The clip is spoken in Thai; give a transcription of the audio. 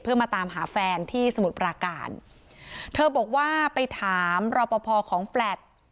เพื่อมาตามหาแฟนที่สมุทรปราการเธอบอกว่าไปถามรอปภของแฟลต